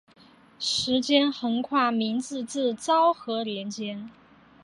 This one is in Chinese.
时间横跨明治至昭和年间。